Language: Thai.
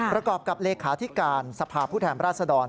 ประกอบกับเลขาธิการสภาพผู้แทนราชดร